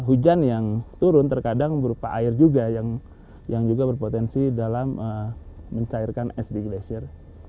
hujan yang turun terkadang berupa air juga yang juga berpotensi dalam mencairkan es di glasier